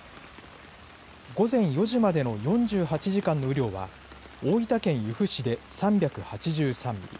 午前４時までの４８時間の雨量は大分県由布市で３８３ミリ